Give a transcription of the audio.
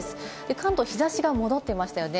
関東、日差しが戻ってましたよね。